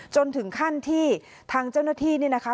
จนถึงขั้นที่ทางเจ้าหน้าที่นี่นะคะ